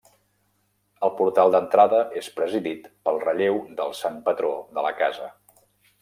El portal d'entrada és presidit pel relleu del sant patró de la casa.